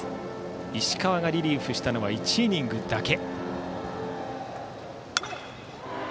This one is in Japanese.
石川がリリーフしたのは１イニングだけ。